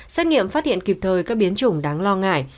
xét nghiệm phát hiện kịp thời các biến chủng đáng lo ngại